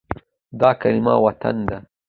دا کلمه “وطن” ده.